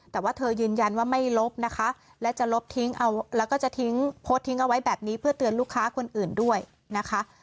แต่ว่าเธอยืนยันว่าไม่ลบนะคะและจะลบทิ้งเอาแล้วก็จะทิ้งโพสต์ทิ้งเอาไว้แบบนี้เพื่อเตือนลูกค้าคนอื่นด้วยนะคะ